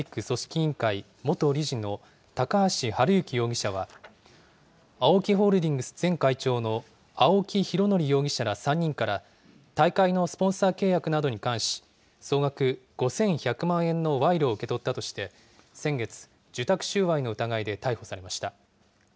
委員会元理事の高橋治之容疑者は、ＡＯＫＩホールディングス前会長の青木拡憲容疑者ら３人から、大会のスポンサー契約などに関し、総額５１００万円の賄賂を受け取ったとして、先月、受託収賄の疑いで逮捕されました。